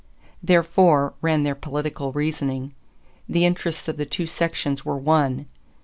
Therefore, ran their political reasoning, the interests of the two sections were one.